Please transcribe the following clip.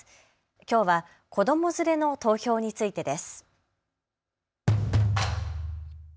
きょうは子ども連れの投票についてです。